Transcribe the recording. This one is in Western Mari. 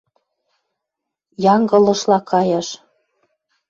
Янгылышла каяш.